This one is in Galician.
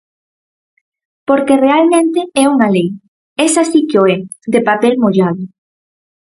Porque realmente é unha lei, esa si que o é, de papel mollado.